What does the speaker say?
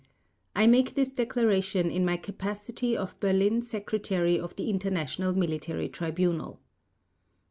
I make this Declaration in my capacity of Berlin Secretary of the International Military Tribunal.